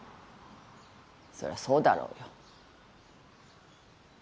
そりゃそうだろうよ。